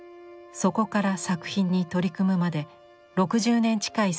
そこから作品に取り組むまで６０年近い歳月を要します。